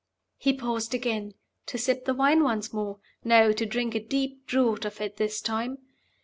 '" He paused again. To sip the wine once more? No; to drink a deep draught of it this time.